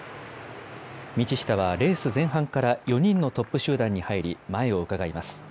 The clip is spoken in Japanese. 道下はレース前半から４人のトップ集団に入り前をうかがいます。